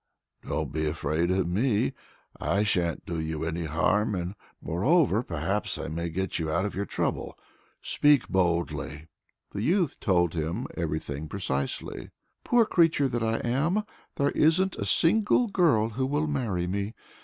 "Don't be afraid of me! I sha'n't do you any harm, and moreover, perhaps I may get you out of your trouble. Speak boldly!" The youth told him everything precisely. "Poor creature that I am! There isn't a single girl who will marry me.